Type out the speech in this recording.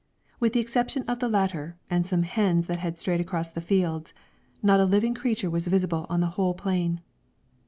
With the exception of the latter and some hens that had strayed across the fields, not a living creature was visible on the whole plain.